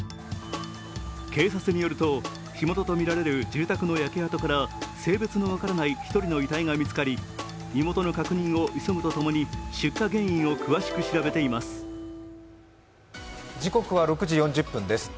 警察によると、火元と見られる住宅の焼け跡から性別の分からない１人の遺体が見つかり身元の確認を急ぐとともに出火原因を詳しく調べています。